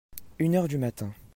Une heure du matin.